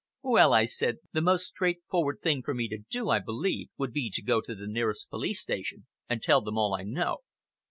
"Well," I said, "the most straightforward thing for me to do, I believe, would be to go to the nearest police station and tell them all I know."